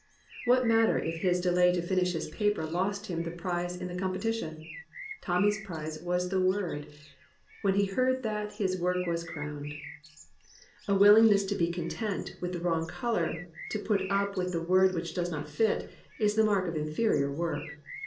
What matter if his delay to fmish his paf>er lost him the prize in the competition? Tommy's prize was the word; when he had that his work was crowned. 372 AN ADVENTURER A wiUingness to be content with the wrong colour, to put up with the word which does not fit, is the mark of inferior work.